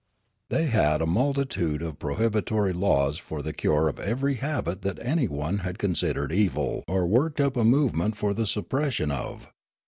The}' had a multitude of prohibitory laws for the cure of every habit that anyone had considered evil or worked up a movement for the suppression of.